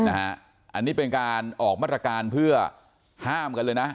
อันนี้เป็นการออกมาตรการเพื่อห้ามกันเลยนะ